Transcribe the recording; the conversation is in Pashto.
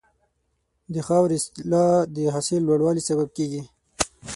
د خاورې اصلاح د حاصل لوړوالي سبب کېږي.